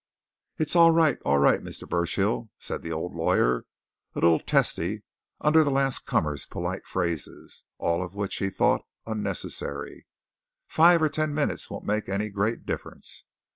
"It's all right, all right, Mr. Burchill," said the old lawyer, a little testy under the last comer's polite phrases, all of which he thought unnecessary. "Five or ten minutes won't make any great difference.